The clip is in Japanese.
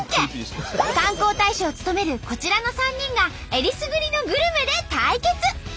観光大使を務めるこちらの３人がえりすぐりのグルメで対決。